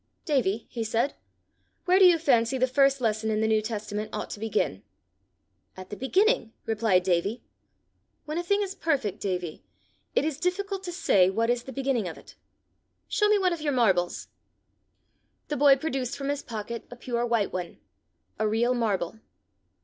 "Davie," he said, "where do you fancy the first lesson in the New Testament ought to begin?" "At the beginning," replied Davie. "When a thing is perfect, Davie, it is difficult to say what is the beginning of it: show me one of your marbles." The boy produced from his pocket a pure white one a real marble.